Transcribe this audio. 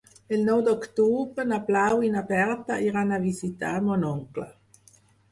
El nou d'octubre na Blau i na Berta iran a visitar mon oncle.